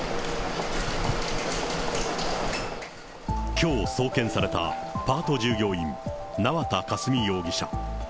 きょう送検されたパート従業員、縄田佳純容疑者。